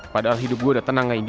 padahal hidup gue udah tenang aja ini